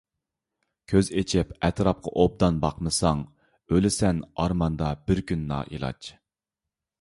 كۆز ئېچىپ ئەتراپقا ئوبدان باقمىساڭ، ئۆلىسەن ئارماندا بىر كۈن نائىلاج.